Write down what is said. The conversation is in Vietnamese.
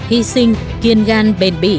hy sinh kiên gan bền bỉ